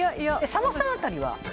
佐野さん辺りは？